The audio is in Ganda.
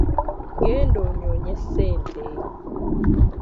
Genda onyoonye ssente.